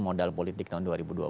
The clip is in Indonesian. modal politik tahun dua ribu dua puluh